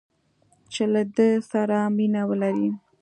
چې له ده سره مینه ولري